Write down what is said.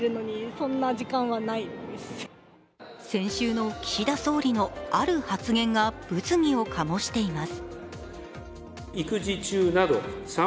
先週の岸田総理のある発言が物議を醸しています。